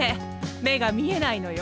目が見えないのよ。